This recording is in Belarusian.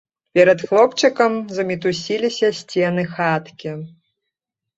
Перад хлопчыкам замітусіліся сцены хаткі.